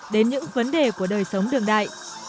đến những vấn đề của đời sống đường đại